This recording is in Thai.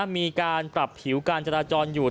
มีการปรับผิวการจราจรอยู่